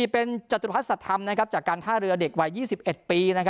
๔เป็นจตุภัสตร์สัตว์ทำจากการท่าเรือเด็กวัย๒๑ปี